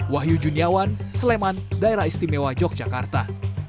wahyu juniawan sleman daerah istimewa yogyakarta